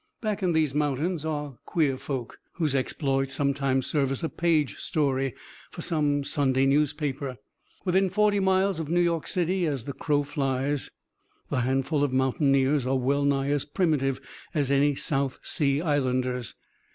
Back in these mountains are queer folk; whose exploits sometimes serve as a page story for some Sunday newspaper. Within forty miles of New York City as the crow flits, the handful of mountaineers are well nigh as primitive as any South Sea Islanders.